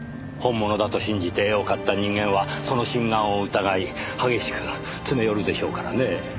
本物だと信じて絵を買った人間はその真贋を疑い激しく詰め寄るでしょうからね。